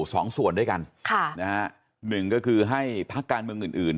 สองส่วนด้วยกันค่ะนะฮะหนึ่งก็คือให้พักการเมืองอื่นอื่น